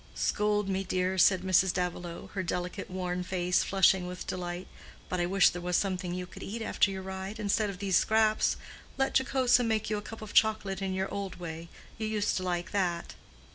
"Scold me, dear," said Mrs. Davilow, her delicate worn face flushing with delight. "But I wish there was something you could eat after your ride—instead of these scraps. Let Jocosa make you a cup of chocolate in your old way. You used to like that."